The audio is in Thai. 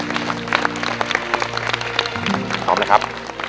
พร้อมแล้วครับ